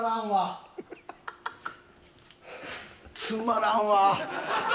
つまらんわ。